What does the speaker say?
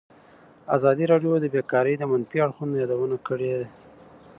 ازادي راډیو د بیکاري د منفي اړخونو یادونه کړې.